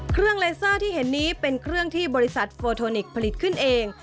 เลเซอร์ที่เห็นนี้เป็นเครื่องที่บริษัทโฟโทนิกส์ผลิตขึ้นเอง